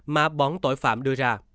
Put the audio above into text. mà bọn tội phạm đưa ra